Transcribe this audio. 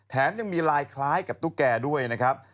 แถมยังมีลายคล้ายกับตุ๊กแกด้วยนะครับ